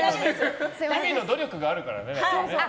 日々の努力があるからね。